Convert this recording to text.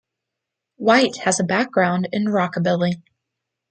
Whyte has a background in rockabilly.